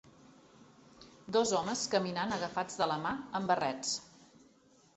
Dos homes caminant agafats de la mà amb barrets.